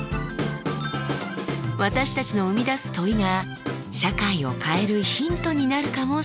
私たちの生み出す問いが社会を変えるヒントになるかもしれません。